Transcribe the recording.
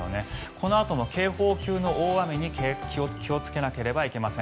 このあとの警報級の大雨に気をつけなければいけません。